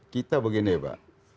kita begini ya pak